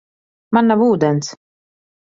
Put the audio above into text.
Man nav ūdens.